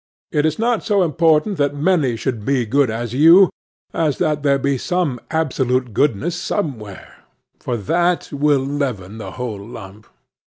It is not so important that many should be as good as you, as that there be some absolute goodness somewhere; for that will leaven the whole lump.